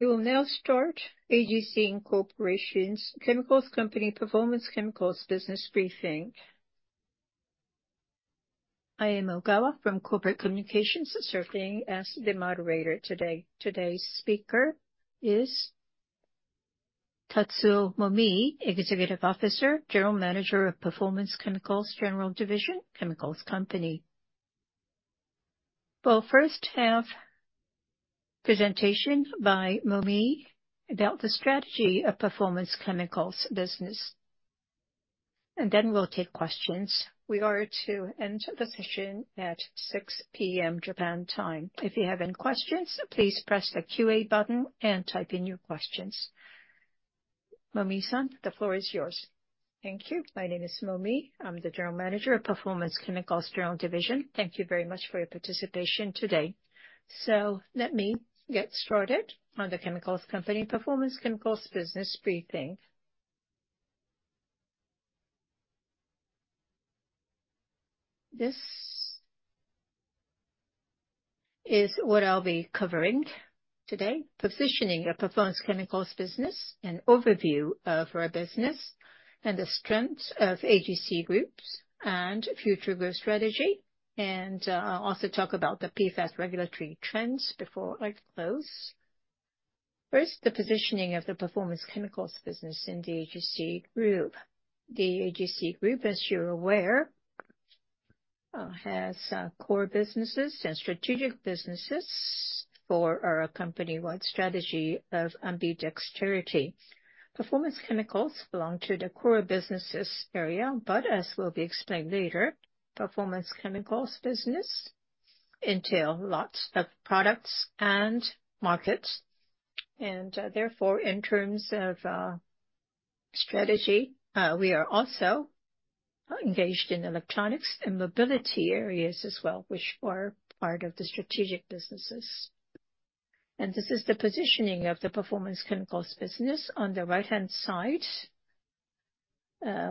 We will now start AGC Inc.'s Chemicals Company Performance Chemicals Business Briefing. I am Ogawa from Corporate Communications, serving as the moderator today. Today's speaker is Tatsuo Momii, Executive Officer, General Manager of Performance Chemicals General Division, Chemicals Company. We'll first have presentation by Momii about the strategy of Performance Chemicals Business, and then we'll take questions. We are to end the session at 6 P.M. Japan time. If you have any questions, please press the QA button and type in your questions. Momii-san, the floor is yours. Thank you. My name is Momii. I'm the General Manager of Performance Chemicals General Division. Thank you very much for your participation today. So let me get started on the Chemicals Company Performance Chemicals Business briefing. This is what I'll be covering today: positioning of Performance Chemicals Business, an overview, for our business, and the strength of AGC groups and future growth strategy. I'll also talk about the PFAS regulatory trends before I close. First, the positioning of the Performance Chemicals Business in the AGC Group. The AGC Group, as you're aware, has core businesses and strategic businesses for our company-wide strategy of ambidexterity. Performance Chemicals belong to the core businesses area, but as will be explained later, Performance Chemicals Business entail lots of products and markets. Therefore, in terms of strategy, we are also engaged in electronics and mobility areas as well, which are part of the strategic businesses. This is the positioning of the Performance Chemicals Business. On the right-hand side,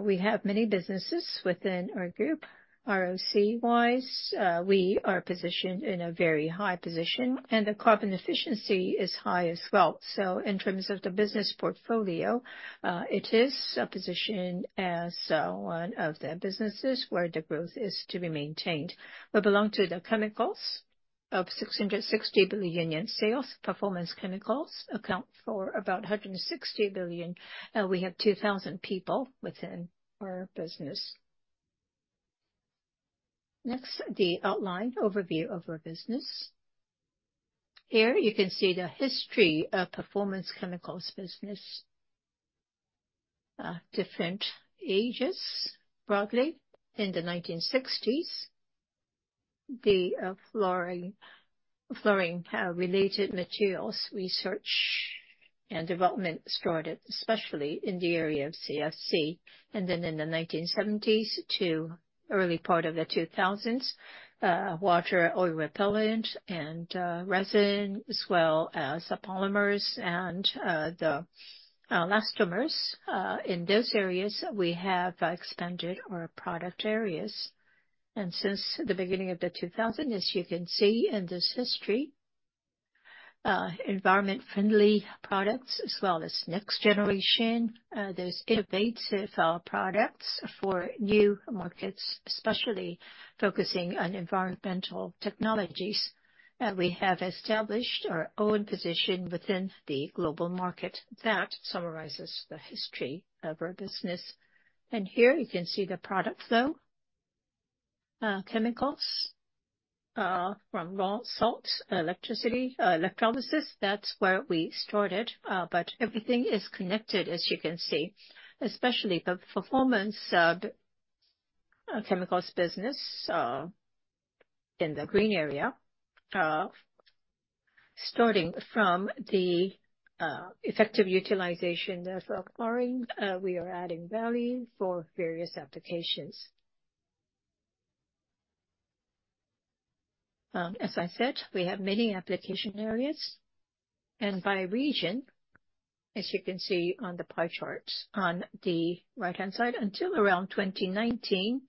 we have many businesses within our group. ROC-wise, we are positioned in a very high position, and the carbon efficiency is high as well. So in terms of the business portfolio, it is positioned as one of the businesses where the growth is to be maintained. We belong to the chemicals of 660 billion yen in sales. Performance Chemicals account for about 160 billion, and we have 2,000 people within our business. Next, the outline overview of our business. Here you can see the history of Performance Chemicals Business, different ages, broadly. In the 1960s, the fluorine related materials research and development started, especially in the area of CFC. And then in the 1970s to early part of the 2000s, water, oil repellent and resin, as well as the polymers and the elastomers. In those areas, we have expanded our product areas. Since the beginning of the 2000s, as you can see in this history, environment-friendly products as well as next generation, those innovative products for new markets, especially focusing on environmental technologies, and we have established our own position within the global market. That summarizes the history of our business. Here you can see the product flow. Chemicals, from raw salts, electricity, electrolysis, that's where we started, but everything is connected, as you can see, especially the Performance Chemicals Business, in the green area. Starting from the effective utilization of fluorine, we are adding value for various applications. As I said, we have many application areas, and by region, as you can see on the pie charts on the right-hand side, until around 2019,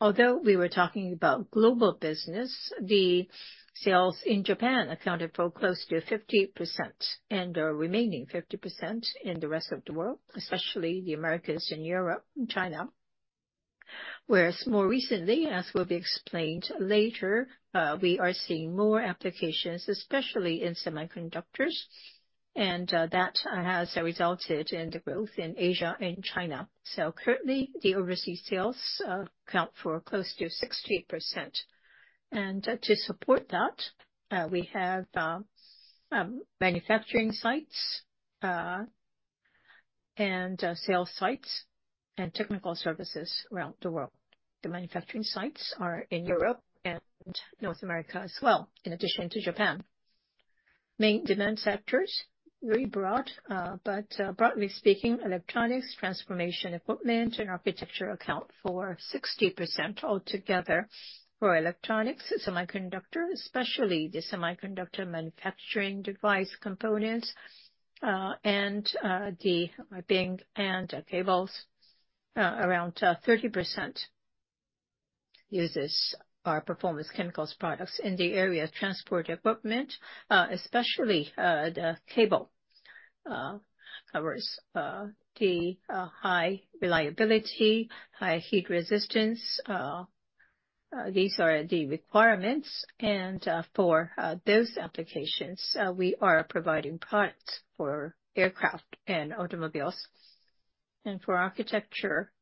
although we were talking about global business, the sales in Japan accounted for close to 50%, and the remaining 50% in the rest of the world, especially the Americas and Europe and China. Whereas more recently, as will be explained later, we are seeing more applications, especially in semiconductors, and that has resulted in the growth in Asia and China. So currently, the overseas sales account for close to 60%. And to support that, we have manufacturing sites, and sales sites and technical services around the world. The manufacturing sites are in Europe and North America as well, in addition to Japan. Main demand sectors, very broad, but, broadly speaking, electronics, transformation equipment, and architecture account for 60% altogether. For electronics, it's semiconductor, especially the semiconductor manufacturing device components, and the wiring and cables, around 30% uses our performance chemicals products in the area of transport equipment, especially, the cable covers, the high reliability, high heat resistance. These are the requirements, and for those applications, we are providing products for aircraft and automobiles. And for architecture,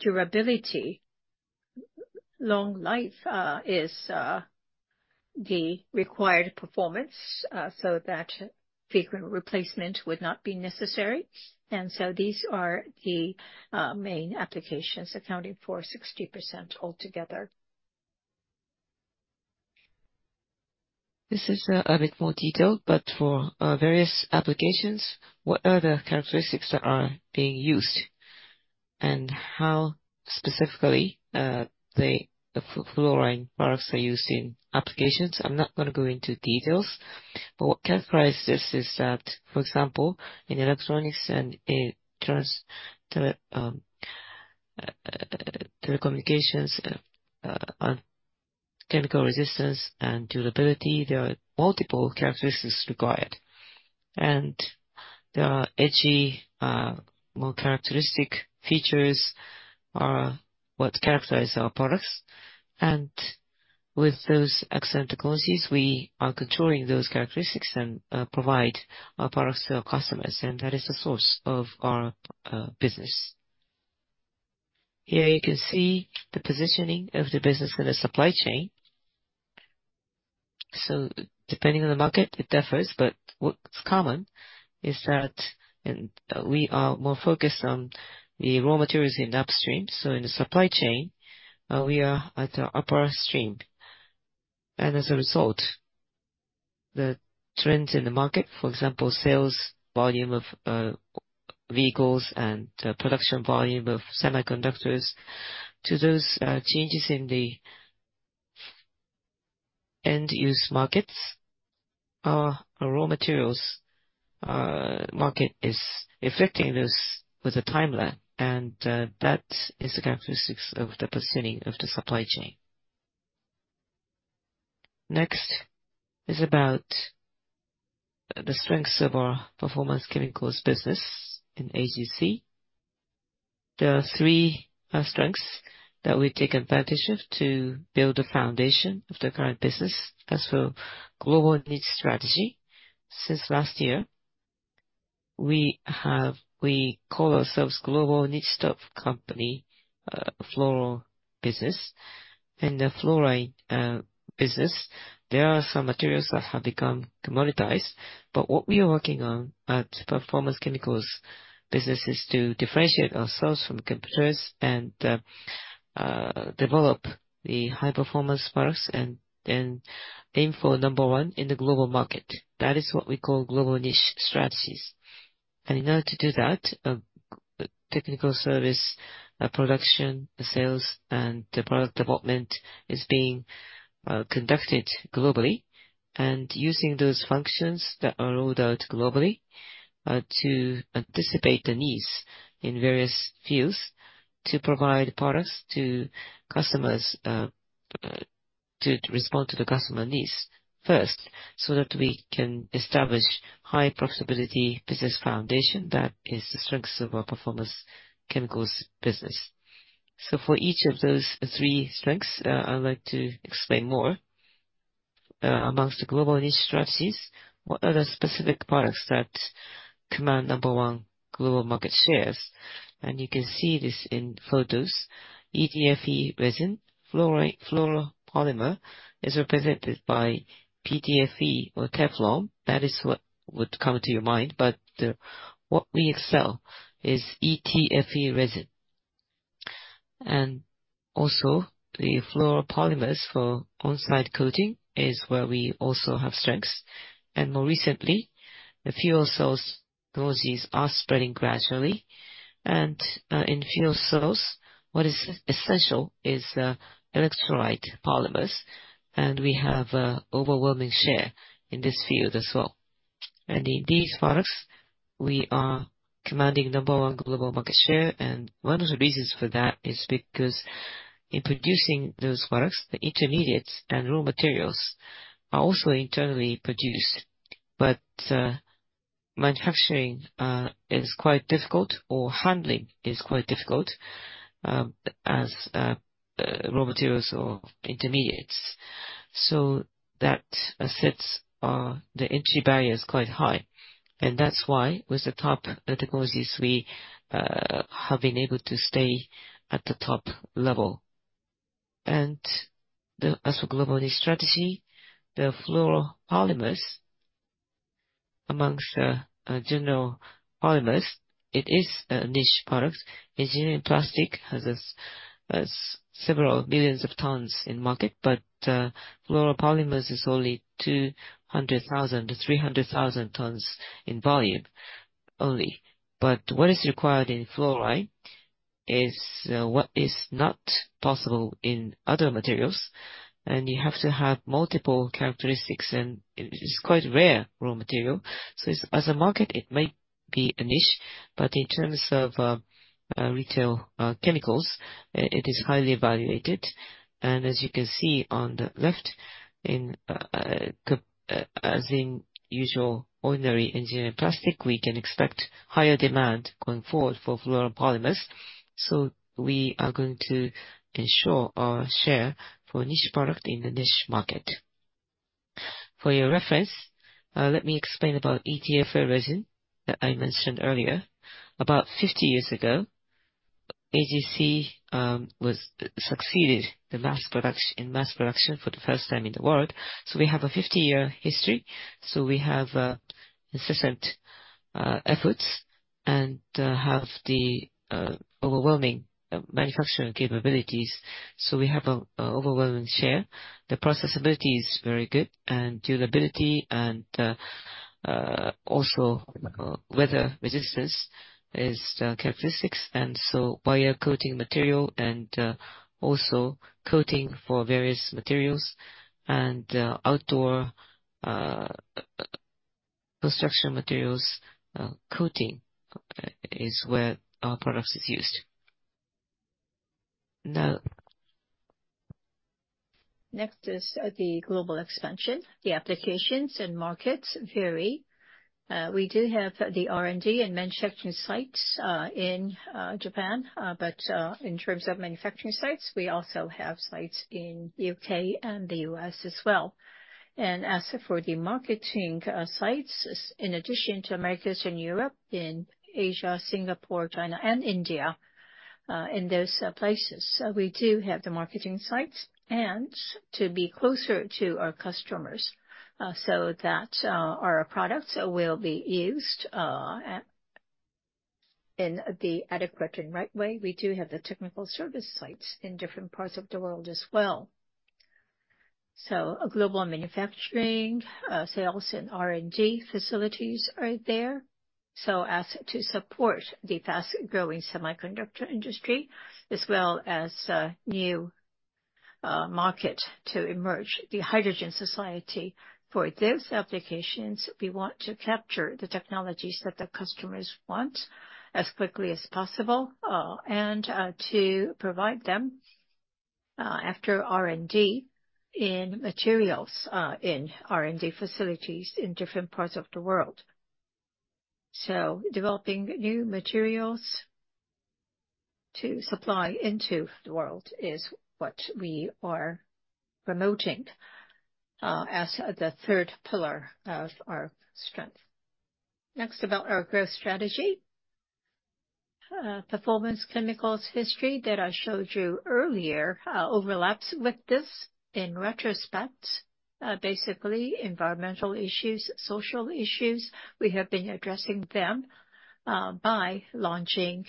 durability, long life is the required performance, so that frequent replacement would not be necessary. And so these are the main applications accounting for 60% altogether. This is a bit more detailed, but for various applications, what are the characteristics that are being used? And how specifically, the fluorine products are used in applications. I'm not gonna go into details, but what characterizes this is that, for example, in electronics and in telecommunications, chemical resistance and durability, there are multiple characteristics required. There are edgy, more characteristic features are what characterize our products, and with those eccentricities, we are controlling those characteristics and provide our products to our customers, and that is the source of our business. Here you can see the positioning of the business in the supply chain. Depending on the market, it differs, but what's common is that we are more focused on the raw materials in the upstream. In the supply chain, we are at the upper stream. As a result, the trends in the market, for example, sales volume of vehicles and production volume of semiconductors, to those changes in the end-use markets, our raw materials market is affecting those with a timeline, and that is the characteristics of the positioning of the supply chain. Next is about the strengths of our Performance Chemicals business in AGC. There are three strengths that we take advantage of to build a foundation of the current business. As for global niche strategy, since last year, we call ourselves Global Niche Top Company fluoro business. In the fluoro business, there are some materials that have become commoditized, but what we are working on at Performance Chemicals business is to differentiate ourselves from competitors and develop the high-performance products and aim for number one in the global market. That is what we call global niche strategies. In order to do that, technical service, production, sales, and product development is being conducted globally, and using those functions that are rolled out globally, to anticipate the needs in various fields to provide products to customers, to respond to the customer needs first, so that we can establish high profitability business foundation. That is the strengths of our Performance Chemicals business. So for each of those three strengths, I'd like to explain more. Amongst the global niche strategies, what are the specific products that command number one global market shares? And you can see this in photos. ETFE resin, fluoropolymer, is represented by PTFE or Teflon. That is what would come to your mind, but, what we excel is ETFE resin. And also, the fluoropolymers for on-site coating is where we also have strengths. More recently, the fuel cell technologies are spreading gradually. In fuel cells, what is essential is the electrolyte polymers, and we have an overwhelming share in this field as well. In these products, we are commanding number one global market share, and one of the reasons for that is because in producing those products, the intermediates and raw materials are also internally produced. But manufacturing is quite difficult or handling is quite difficult, as raw materials or intermediates. So that assets are the entry barrier is quite high, and that's why with the top technologies, we have been able to stay at the top level. As for global niche strategy, the fluoropolymers among general polymers, it is a niche product. Engineering plastic has several billion tons in market, but fluoropolymers is only 200,000-300,000 tons in volume only. But what is required in fluoride is what is not possible in other materials, and you have to have multiple characteristics, and it is quite rare raw material. So as a market, it may be a niche, but in terms of specialty chemicals, it is highly evaluated. And as you can see on the left, as in usual ordinary engineering plastic, we can expect higher demand going forward for fluoropolymers. So we are going to ensure our share for niche product in the niche market. For your reference, let me explain about ETFE resin that I mentioned earlier. About 50 years ago, AGC succeeded in mass production for the first time in the world. So we have a 50-year history, so we have consistent efforts and have the overwhelming manufacturing capabilities. So we have an overwhelming share. The processability is very good, and durability and also weather resistance is the characteristics, and so wire coating material and also coating for various materials and outdoor construction materials coating is where our products is used. Now next is the global expansion. The applications and markets vary. We do have the R&D and manufacturing sites in Japan, but in terms of manufacturing sites, we also have sites in the U.K. and the U.S. as well. And as for the marketing sites, in addition to Americas and Europe, in Asia, Singapore, China, and India, in those places, we do have the marketing sites and to be closer to our customers, so that our products will be used at, in the adequate and right way. We do have the technical service sites in different parts of the world as well. So a global manufacturing, sales, and R&D facilities are there. So as to support the fast-growing semiconductor industry, as well as new market to emerge, the hydrogen society. For those applications, we want to capture the technologies that the customers want as quickly as possible, and to provide them after R&D in materials in R&D facilities in different parts of the world. So developing new materials to supply into the world is what we are promoting as the third pillar of our strength. Next, about our growth strategy. Performance Chemicals history that I showed you earlier overlaps with this in retrospect. Basically, environmental issues, social issues, we have been addressing them by launching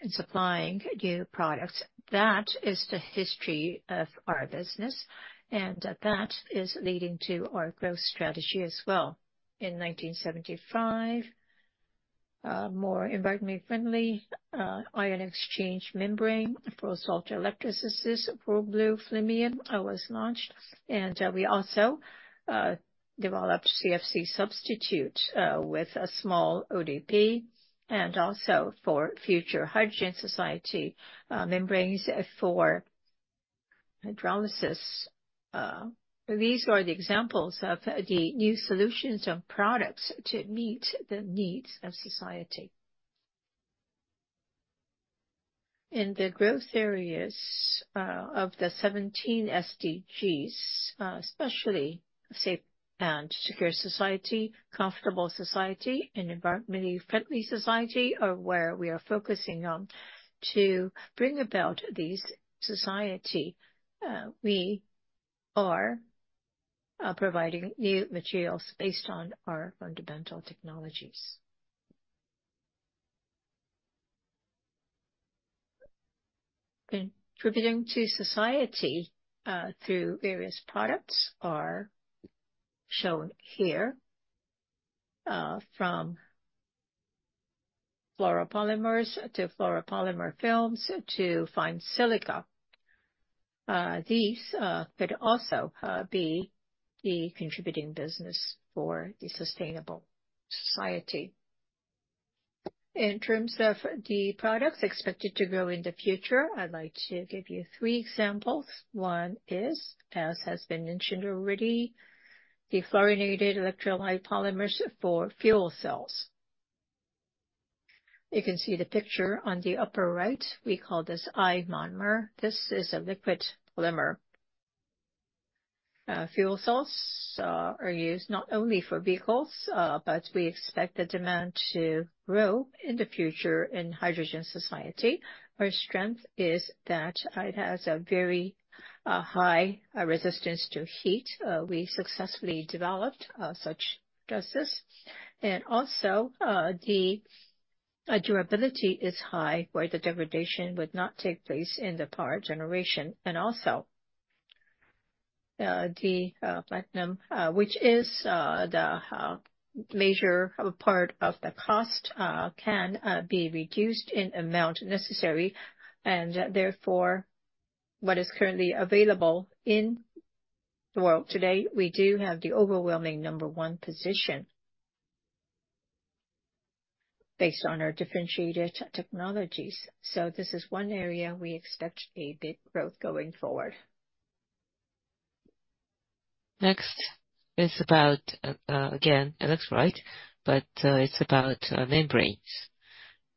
and supplying new products. That is the history of our business, and that is leading to our growth strategy as well. In 1975, more environmentally friendly ion exchange membrane for salt electrolysis, FORBLUE™ FLEMION™, was launched, and we also developed CFC substitute with a small ODP, and also for future hydrogen society, membranes for electrolysis. These are the examples of the new solutions and products to meet the needs of society. In the growth areas of the 17 SDGs, especially safe and secure society, comfortable society, and environmentally friendly society, are where we are focusing on. To bring about this society, we are providing new materials based on our fundamental technologies. Contributing to society through various products are shown here, from fluoropolymers to fluoropolymer films to fine silica. These could also be the contributing business for the sustainable society. In terms of the products expected to grow in the future, I'd like to give you three examples. One is, as has been mentioned already, the fluorinated electrolyte polymers for fuel cells. You can see the picture on the upper right. We call this I-monomer. This is a liquid polymer. Fuel cells are used not only for vehicles, but we expect the demand to grow in the future in hydrogen society. Our strength is that it has a very high resistance to heat. We successfully developed such as this. And also, the durability is high, where the degradation would not take place in the power generation. And also, the platinum, which is the major part of the cost, can be reduced in amount necessary. And therefore, what is currently available in well, today, we do have the overwhelming number one position based on our differentiated technologies. So this is one area we expect a big growth going forward. Next is about, again, electrolyte, but, it's about, membranes.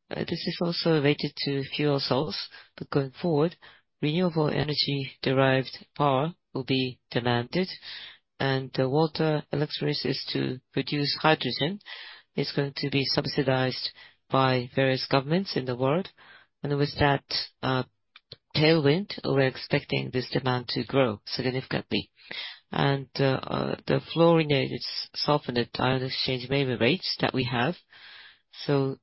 This is also related to fuel cells, but going forward, renewable energy-derived power will be demanded, and water electrolysis to produce hydrogen is going to be subsidized by various governments in the world. And with that, tailwind, we're expecting this demand to grow significantly. And, the fluorinated sulfonated ion-exchange membranes that we have, so,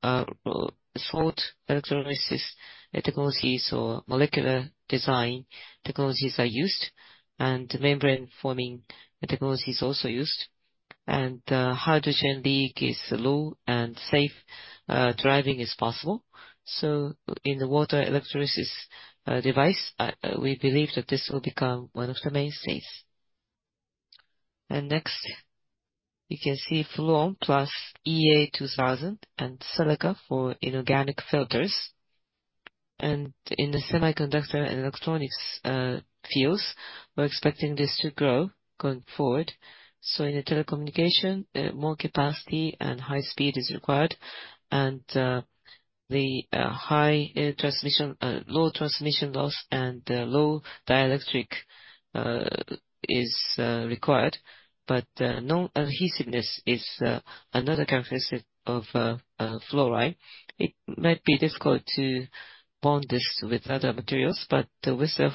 salt electrolysis technologies or molecular design technologies are used, and membrane-forming technology is also used, and, hydrogen leak is low and safe, driving is possible. So in the water electrolysis, device, we believe that this will become one of the mainstays. Next, you can see Fluon+ EA-2000 and silica for inorganic filters. In the semiconductor and electronics fields, we're expecting this to grow going forward. So in the telecommunication, more capacity and high speed is required, and the high transmission, low transmission loss and low dielectric is required. But non-adhesiveness is another characteristic of fluoropolymers. It might be difficult to bond this with other materials, but with the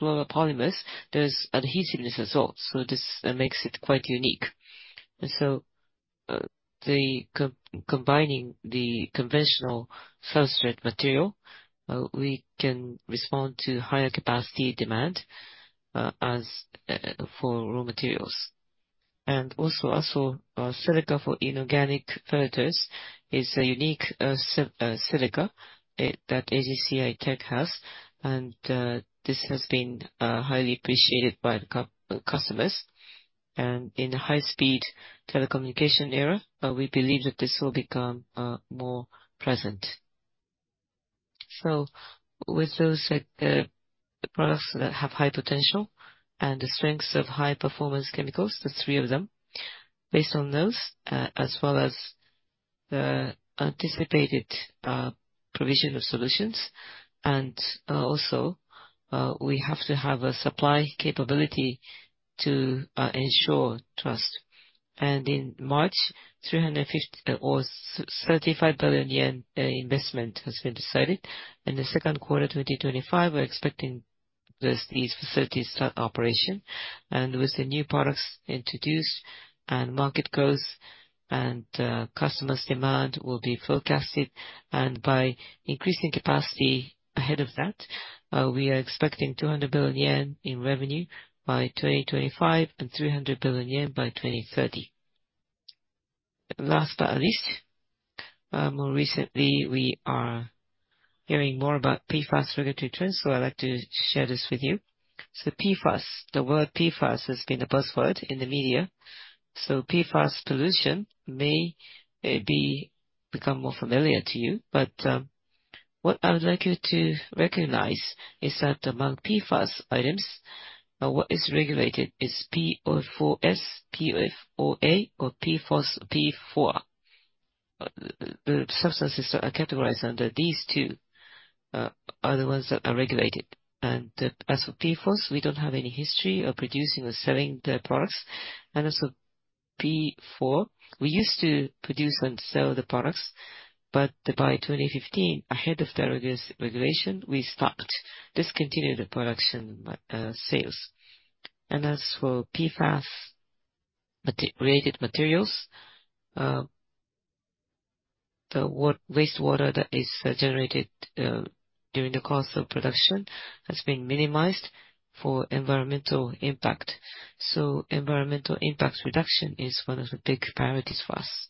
fluoropolymers, there's adhesiveness as well, so this makes it quite unique. So, combining the conventional substrate material, we can respond to higher capacity demand, as for raw materials. Silica for inorganic filters is a unique silica that AGC Tech has, and this has been highly appreciated by the customers. In the high-speed telecommunication era, we believe that this will become more present. So with those products that have high potential and the strengths of high-performance chemicals, the three of them, based on those as well as the anticipated provision of solutions, and also we have to have a supply capability to ensure trust. In March, 350 billion or 35 billion yen investment has been decided. In the second quarter of 2025, we're expecting these facilities to start operation. And with the new products introduced and market growth and, customers' demand will be forecasted, and by increasing capacity ahead of that, we are expecting 200 billion yen in revenue by 2025, and 300 billion yen by 2030. Last but not least, more recently, we are hearing more about PFAS regulatory trends, so I'd like to share this with you. So PFAS, the word PFAS, has been a buzzword in the media, so PFAS pollution may become more familiar to you. But, what I would like you to recognize is that among PFAS items, what is regulated is PFOS, PFOA, or PFOS, PFOA. The substances that are categorized under these two are the ones that are regulated. As for PFOS, we don't have any history of producing or selling the products, and also PFOA, we used to produce and sell the products, but by 2015, ahead of the regulation, we stopped, discontinued the production, sales. As for PFAS, material-related materials, the wastewater that is generated during the course of production has been minimized for environmental impact. So environmental impact reduction is one of the big priorities for us.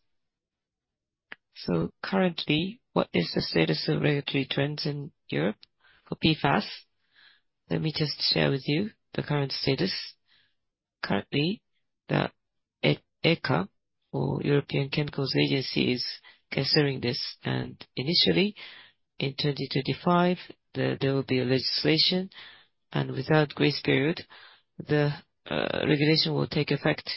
So currently, what is the status of regulatory trends in Europe for PFAS? Let me just share with you the current status. Currently, the ECHA or European Chemicals Agency is considering this, and initially, in 2025, there will be a legislation, and without grace period, the regulation will take effect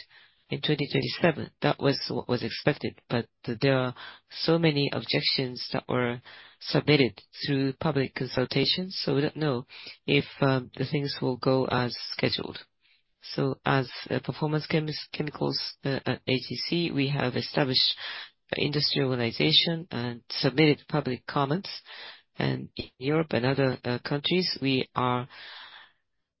in 2027. That was what was expected, but there are so many objections that were submitted through public consultation, so we don't know if the things will go as scheduled. So as performance chemicals at AGC, we have established an industry organization and submitted public comments. And in Europe and other countries, we are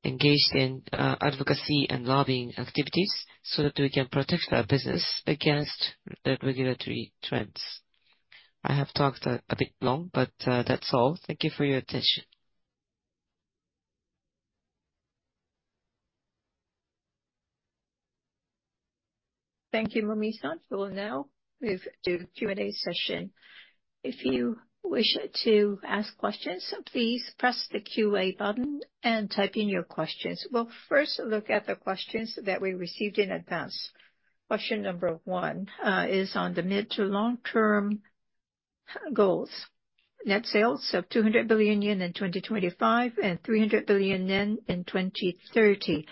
engaged in advocacy and lobbying activities so that we can protect our business against the regulatory trends. I have talked a bit long, but that's all. Thank you for your attention. .Thank you, Momii-san. We will now move to Q&A session. If you wish to ask questions, please press the QA button and type in your questions. We'll first look at the questions that we received in advance. Question number one is on the mid- to long-term goals. Net sales of 200 billion yen in 2025, and 300 billion yen in 2030.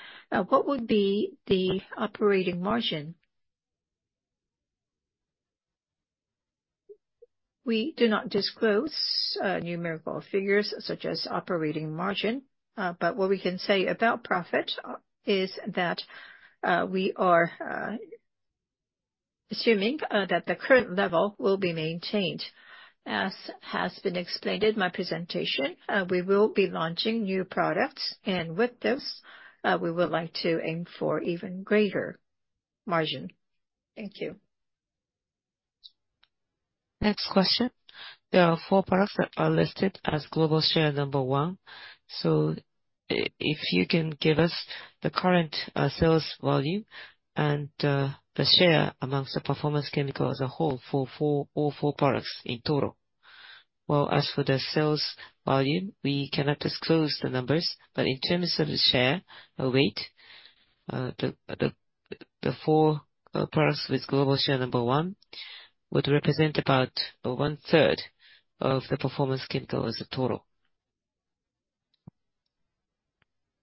What would be the operating margin? We do not disclose numerical figures such as operating margin, but what we can say about profit is that we are assuming that the current level will be maintained. As has been explained in my presentation, we will be launching new products, and with this, we would like to aim for even greater margin. Thank you. Next question. There are four products that are listed as global share number one. So if you can give us the current sales volume and the share amongst the performance chemical as a whole for all four products in total. Well, as for the sales volume, we cannot disclose the numbers, but in terms of the share or weight, the four products with global share number one would represent about one third of the performance chemical as a total.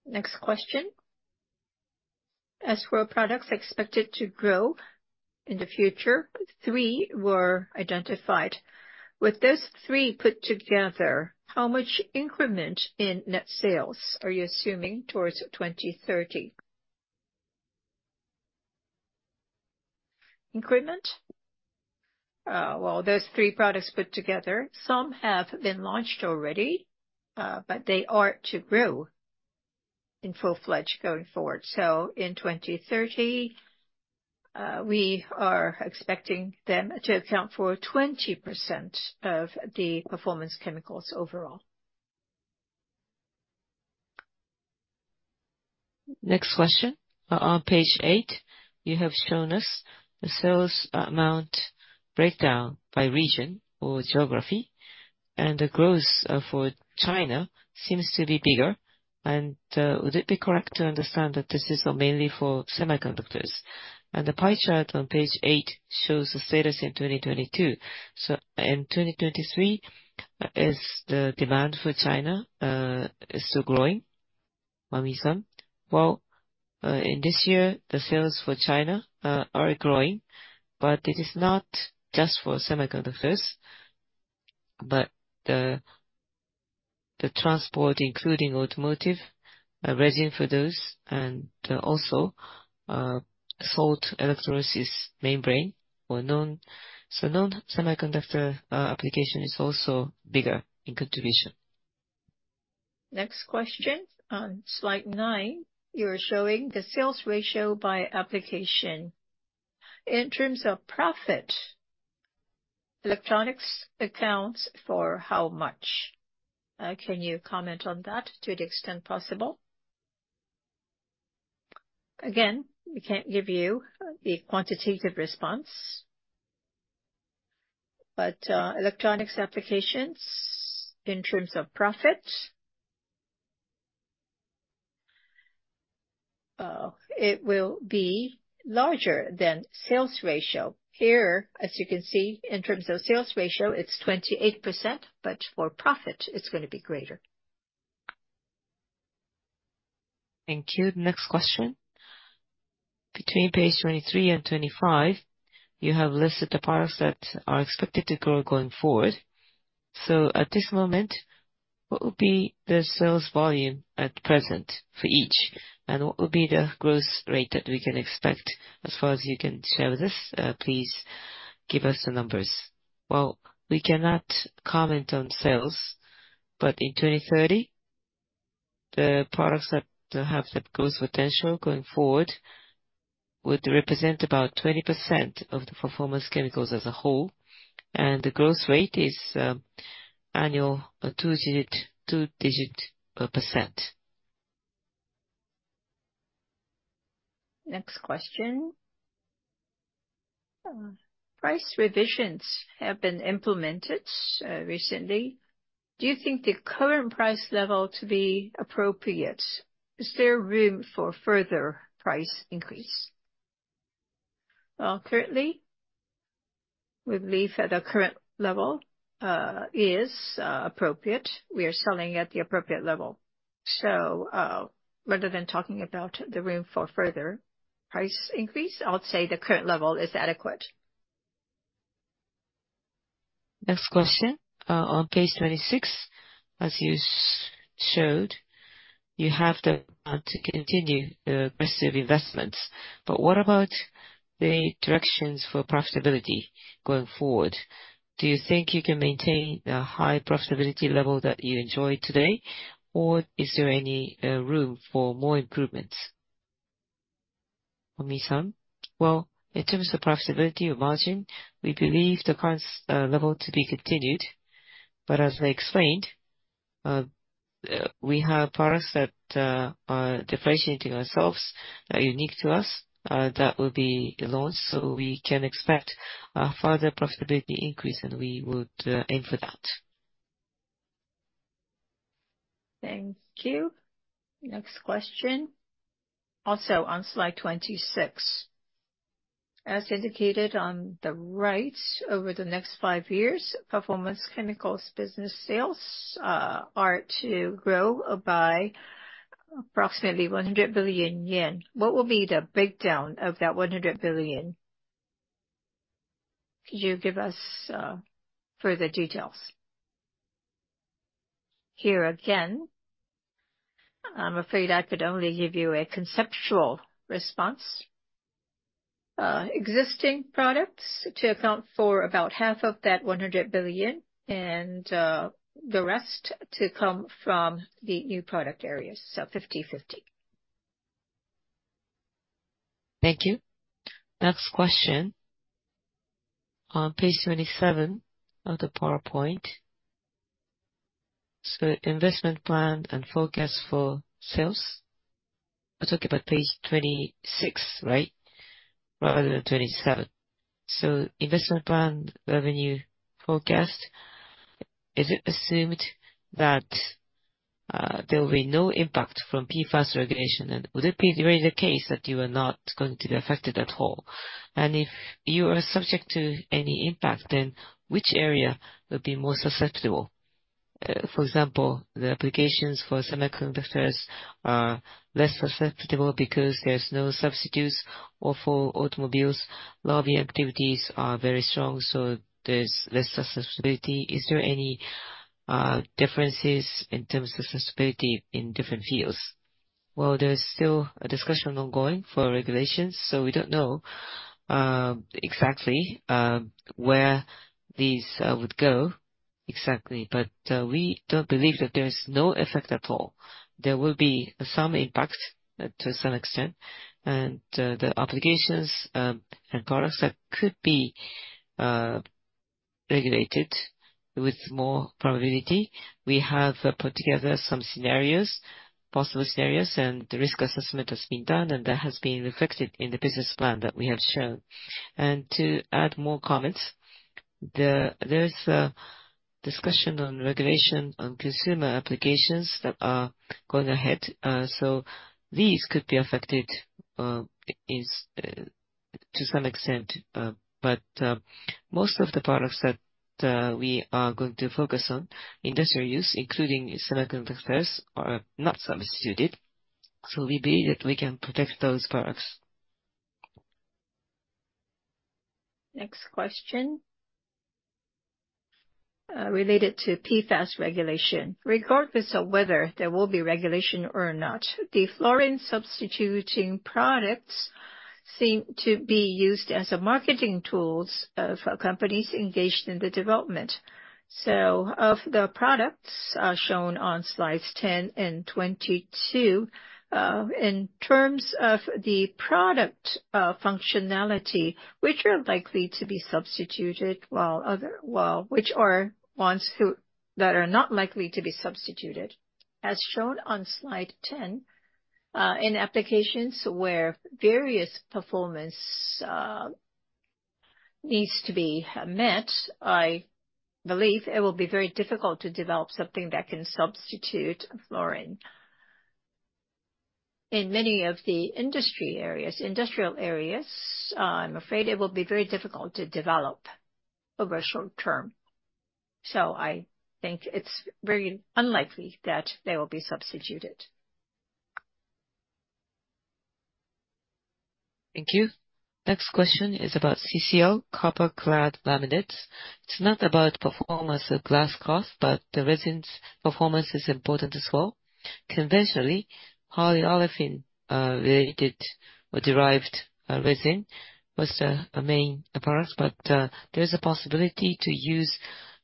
Next question. As for products expected to grow in the future, three were identified. With those three put together, how much increment in net sales are you assuming towards 2030? Increment? Well, those three products put together, some have been launched already, but they are to grow in full-fledged going forward. So in 2030, we are expecting them to account for 20% of the performance chemicals overall. Next question. On page 8, you have shown us the sales amount breakdown by region or geography, and the growth for China seems to be bigger. And would it be correct to understand that this is mainly for semiconductors? And the pie chart on page 8 shows the status in 2022. So in 2023, is the demand for China still growing, Momii-san? Well, in this year, the sales for China are growing, but it is not just for semiconductors, but the transport, including automotive, a regime for those, and also salt electrolysis membrane or non. So non-semiconductor application is also bigger in contribution. Next question. On slide nine, you are showing the sales ratio by application. In terms of profit, electronics accounts for how much? Can you comment on that to the extent possible? Again, we can't give you the quantitative response, but, electronics applications in terms of profit, it will be larger than sales ratio. Here, as you can see, in terms of sales ratio, it's 28%, but for profit, it's going to be greater. Thank you. Next question. Between page 23 and 25, you have listed the products that are expected to grow going forward. So at this moment, what would be the sales volume at present for each, and what would be the growth rate that we can expect? As far as you can share with us, please give us the numbers. Well, we cannot comment on sales, but in 2030, the products that have the growth potential going forward would represent about 20% of the performance chemicals as a whole, and the growth rate is annual 2-digit, 2-digit %. Next question. Price revisions have been implemented recently. Do you think the current price level to be appropriate? Is there room for further price increase? Well, currently, we believe that the current level is appropriate. We are selling at the appropriate level. So, rather than talking about the room for further price increase, I would say the current level is adequate. Next question. On page 26, as you showed, you have the plan to continue aggressive investments, but what about the directions for profitability going forward? Do you think you can maintain the high profitability level that you enjoy today, or is there any room for more improvements, Momii-san? Well, in terms of profitability or margin, we believe the current level to be continued, but as I explained... We have products that are differentiating ourselves, are unique to us, that will be launched, so we can expect a further profitability increase, and we would aim for that. Thank you. Next question. Also on slide 26, as indicated on the right, over the next 5 years, performance chemicals business sales are to grow by approximately 100 billion yen. What will be the breakdown of that 100 billion? Could you give us further details? Here again, I'm afraid I could only give you a conceptual response. Existing products to account for about half of that 100 billion, and the rest to come from the new product areas, so 50/50. Thank you. Next question. On page 27 of the PowerPoint, so investment plan and forecast for sales. I'm talking about page 26, right? Rather than 27. So investment plan, revenue forecast, is it assumed that there will be no impact from PFAS regulation, and would it be really the case that you are not going to be affected at all? And if you are subject to any impact, then which area would be more susceptible? For example, the applications for semiconductors are less susceptible because there's no substitutes or for automobiles. Lobby activities are very strong, so there's less susceptibility. Is there any differences in terms of susceptibility in different fields? Well, there's still a discussion ongoing for regulations, so we don't know exactly where these would go exactly, but we don't believe that there is no effect at all. There will be some impact to some extent, and the applications and products that could be regulated with more probability. We have put together some scenarios, possible scenarios, and the risk assessment has been done, and that has been reflected in the business plan that we have shown. To add more comments, there's a discussion on regulation on consumer applications that are going ahead, so these could be affected to some extent, but most of the products that we are going to focus on, industrial use, including semiconductors, are not substituted, so we believe that we can protect those products. Next question. Related to PFAS regulation. Regardless of whether there will be regulation or not, the fluorine substituting products seem to be used as a marketing tools of companies engaged in the development. So of the products shown on slides 10 and 22, in terms of the product functionality, which are likely to be substituted, while other which are ones to that are not likely to be substituted? As shown on slide 10, in applications where various performance needs to be met, I believe it will be very difficult to develop something that can substitute fluorine. In many of the industry areas, industrial areas, I'm afraid it will be very difficult to develop over short term, so I think it's very unlikely that they will be substituted. Thank you. Next question is about CCL, copper clad laminates. It's not about performance of glass cost, but the resins performance is important as well. Conventionally, polyolefin related or derived resin was the main products, but there is a possibility to use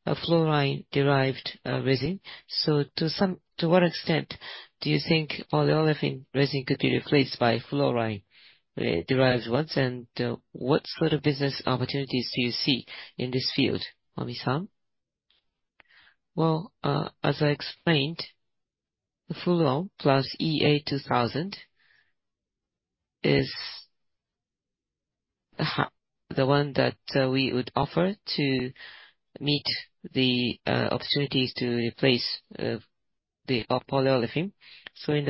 a fluorine-derived resin. So to some, to what extent do you think polyolefin resin could be replaced by fluorine derived ones, and what sort of business opportunities do you see in this field, Momii-san? Well, as I explained, the Fluon+ EA-2000 is the one that we would offer to meet the opportunities to replace the polyolefin. So in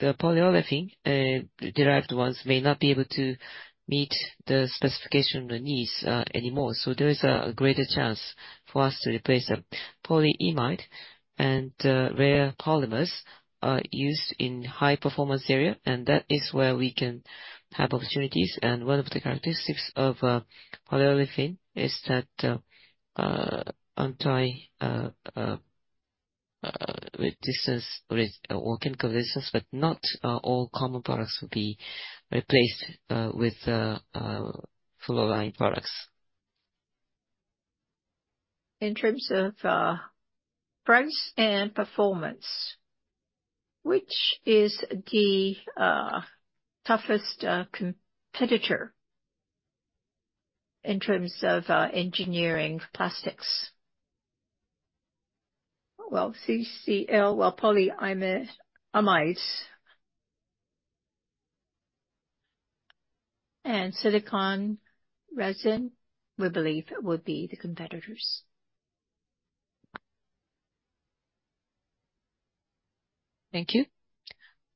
the polyolefin derived ones may not be able to meet the specification needs anymore, so there is a greater chance for us to replace them. Polyimide and rare polymers are used in high performance area, and that is where we can have opportunities. One of the characteristics of polyolefin is that chemical resistance, but not all common products will be replaced with fluorine products. In terms of price and performance, which is the toughest competitor? in terms of engineering plastics? Well, CCL, well, polyimide, polyamides and silicone resin, we believe would be the competitors. Thank you.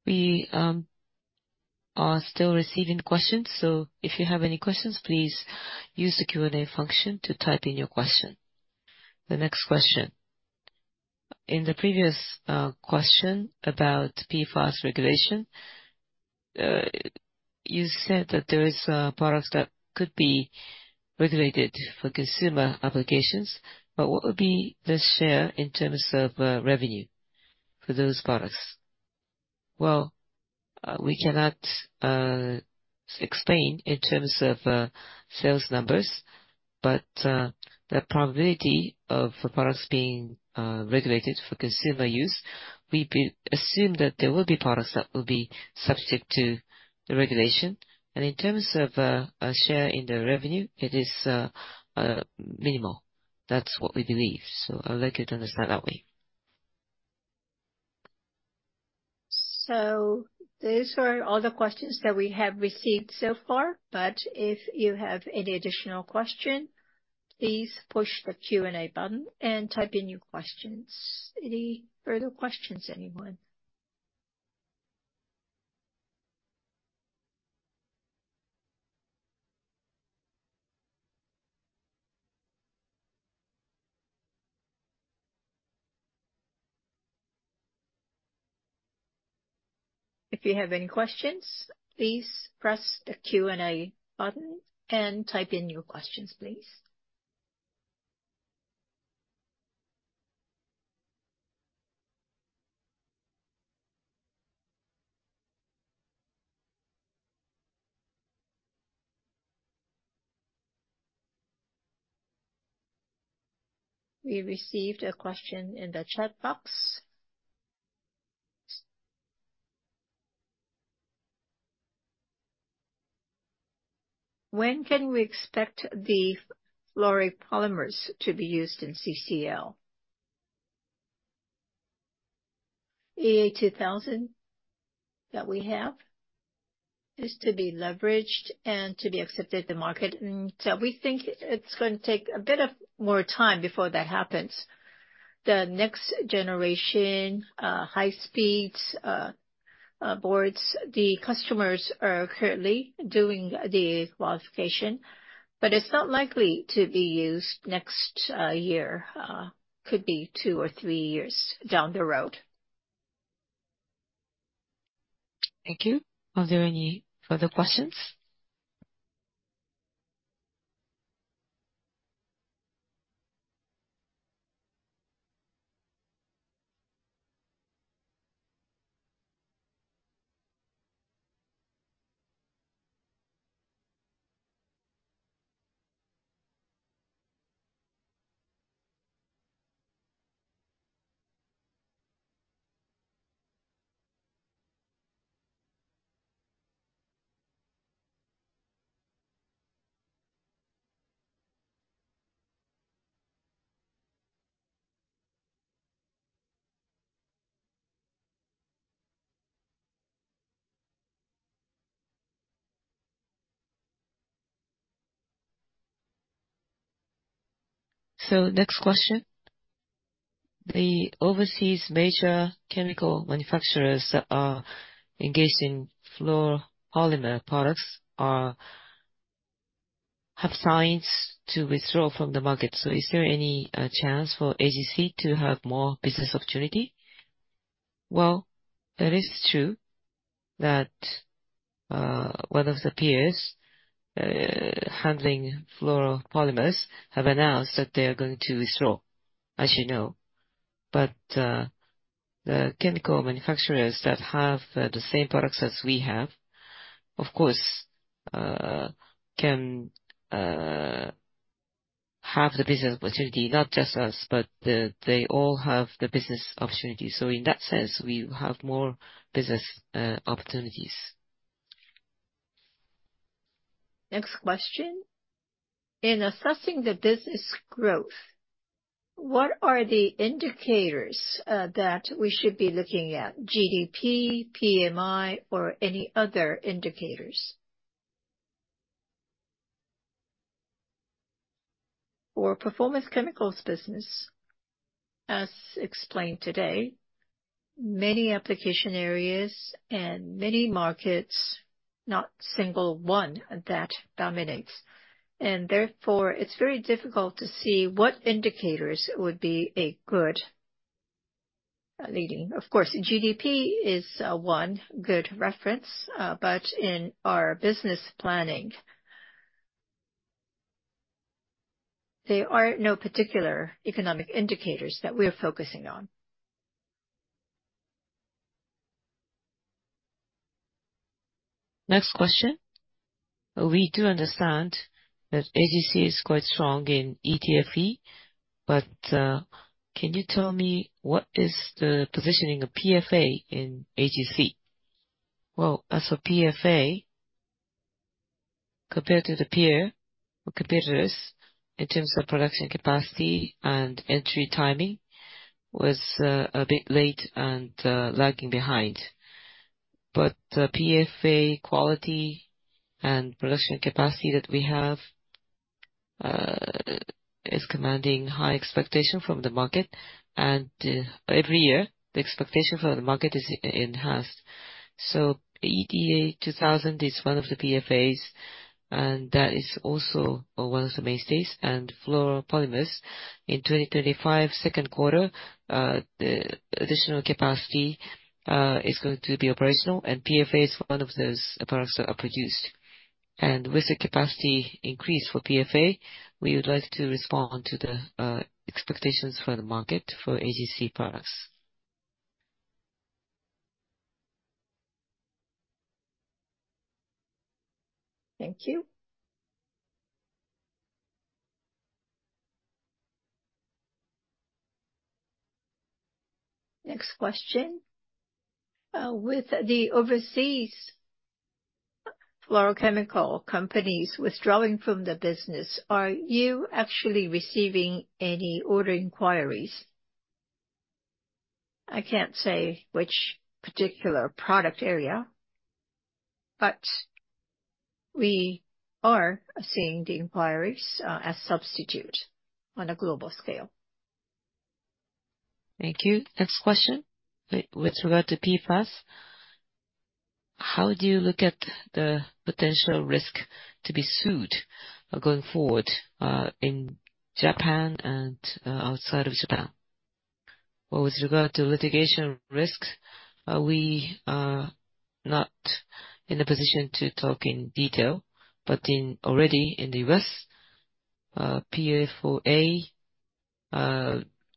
We are still receiving questions, so if you have any questions, please use the Q&A function to type in your question. The next question: in the previous question about PFAS regulation, you said that there is products that could be regulated for consumer applications, but what would be the share in terms of revenue for those products? Well, we cannot explain in terms of sales numbers, but the probability of the products being regulated for consumer use, we assume that there will be products that will be subject to the regulation. And in terms of a share in the revenue, it is minimal. That's what we believe, so I'd like you to understand that way. So those are all the questions that we have received so far, but if you have any additional question, please push the Q&A button and type in your questions. Any further questions, anyone? If you have any questions, please press the Q&A button and type in your questions, please. We received a question in the chat box. When can we expect the fluoropolymers to be used in CCL? EA-2000 that we have is to be leveraged and to be accepted in the market, and so we think it's going to take a bit of more time before that happens. The next generation, high-speed boards, the customers are currently doing the qualification, but it's not likely to be used next year. Could be two or three years down the road. Thank you. Are there any further questions? So next question: The overseas major chemical manufacturers that are engaged in fluoropolymer products have signs to withdraw from the market. So is there any chance for AGC to have more business opportunity? Well, that is true that one of the peers handling fluoropolymers have announced that they are going to withdraw, as you know. But the chemical manufacturers that have the same products as we have, of course, can have the business opportunity, not just us, but they all have the business opportunity. So in that sense, we have more business opportunities. Next question. In assessing the business growth, what are the indicators that we should be looking at? GDP, PMI, or any other indicators? For performance chemicals business, as explained today, many application areas and many markets, not single one that dominates, and therefore, it's very difficult to see what indicators would be a good leading. Of course, GDP is one good reference, but in our business planning, there are no particular economic indicators that we are focusing on. Next question. We do understand that AGC is quite strong in ETFE, but can you tell me what is the positioning of PFA in AGC? Well, as for PFA, compared to the peer or competitors in terms of production capacity and entry timing, was a bit late and lagging behind. But the PFA quality and production capacity that we have is commanding high expectation from the market, and every year, the expectation for the market is enhanced. So EA-2000 is one of the PFAs, and that is also one of the mainstays and fluoropolymers. In 2025, second quarter, the additional capacity is going to be operational, and PFA is one of those products that are produced. And with the capacity increase for PFA, we would like to respond to the expectations for the market for AGC products. Thank you. Next question. With the overseas fluorochemical companies withdrawing from the business, are you actually receiving any order inquiries? I can't say which particular product area, but we are seeing the inquiries as substitute on a global scale. Thank you. Next question. With regard to PFAS, how do you look at the potential risk to be sued going forward in Japan and outside of Japan? Well, with regard to litigation risks, we are not in a position to talk in detail, but already in the U.S., PFOA,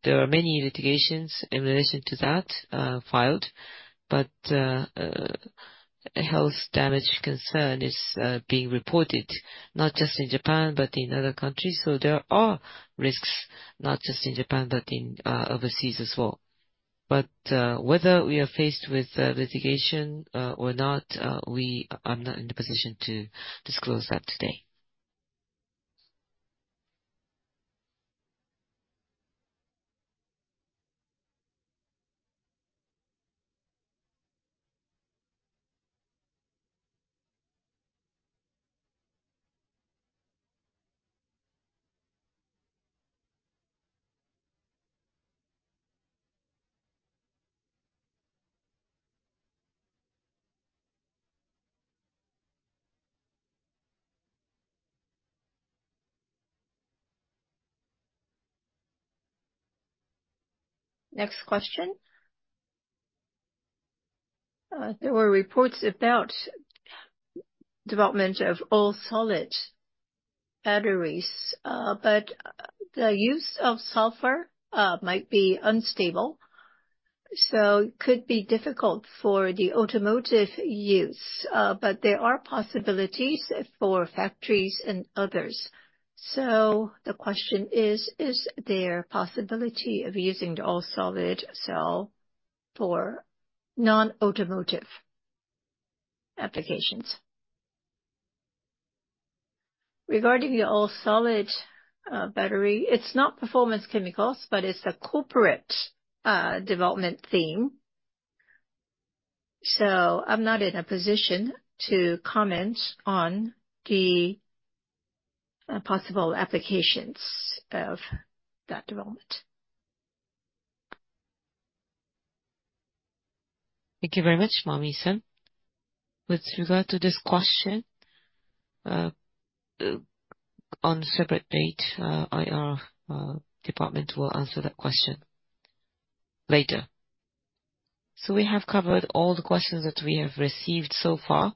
there are many litigations in relation to that filed. But a health damage concern is being reported, not just in Japan, but in other countries. So there are risks, not just in Japan, but in overseas as well. But whether we are faced with litigation or not, I'm not in a position to disclose that today. Next question. There were reports about development of all-solid batteries, but the use of sulfur might be unstable, so it could be difficult for the automotive use. But there are possibilities for factories and others. So the question is: Is there possibility of using the all-solid cell for non-automotive applications? Regarding the all-solid battery, it's not performance chemicals, but it's a corporate development theme. So I'm not in a position to comment on the possible applications of that development. Thank you very much, Momii-san. With regard to this question, on a separate date, IR department will answer that question later. So we have covered all the questions that we have received so far.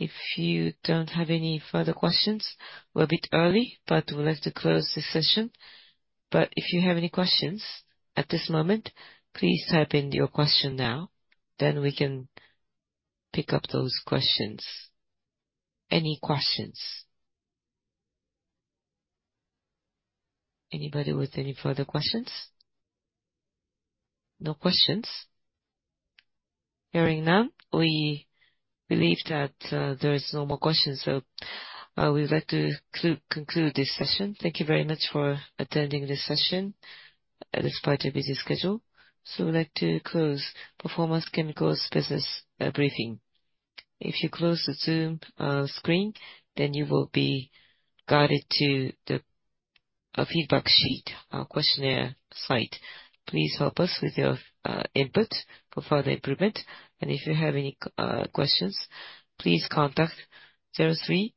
If you don't have any further questions, we're a bit early, but we'd like to close this session. But if you have any questions at this moment, please type in your question now, then we can pick up those questions. Any questions? Anybody with any further questions? No questions. Hearing none, we believe that there is no more questions, so we'd like to conclude this session. Thank you very much for attending this session, despite your busy schedule. We'd like to close Performance Chemicals Business Briefing. If you close the Zoom screen, then you will be guided to the feedback sheet questionnaire site. Please help us with your input for further improvement. If you have any questions, please contact zero, three-